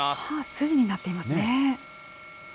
筋になっていますね。